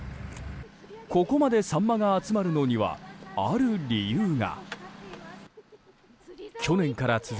ここまでサンマが集まるのにはある理由が。